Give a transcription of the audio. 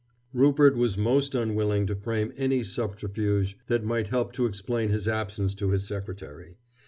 Rupert was most unwilling to frame any subterfuge that might help to explain his absence to his secretary.